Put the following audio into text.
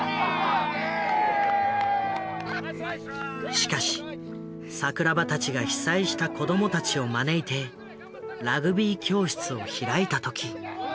しかし桜庭たちが被災した子どもたちを招いてラグビー教室を開いた時。